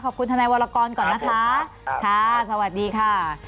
ขอบคุณธนายวรกรก่อนนะคะอีกนะคะ